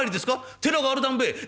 「寺があるだんべえ？」。